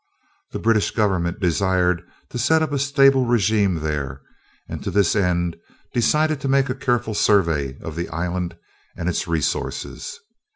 The British Government desired to set up a stable regime there, and to this end decided to make a careful survey of the Island and its resources.